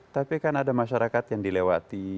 tapi kan ada masyarakat yang dilewati